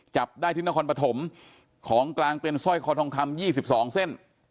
จับได้ที่นครปฐมของกลางเป็นสร้อยคอทองคำ๒๒เส้น